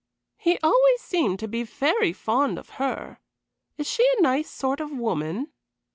"He always seemed to be very fond of her. Is she a nice sort of woman?"